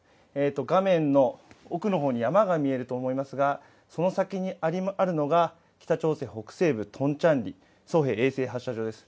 画面の奥のほうに山が見えると思いますが、その先にあるのが、北朝鮮北西部トンチャンリ、ソヘ衛星発射場です。